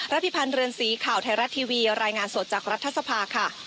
พิพันธ์เรือนสีข่าวไทยรัฐทีวีรายงานสดจากรัฐสภาค่ะ